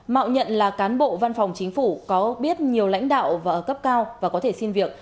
mạo nhận là cán bộ văn phòng chính phủ có biết nhiều lãnh đạo và ở cấp cao và có thể xin việc